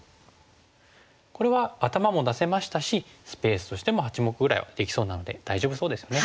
これは頭も出せましたしスペースとしても八目ぐらいはできそうなので大丈夫そうですよね。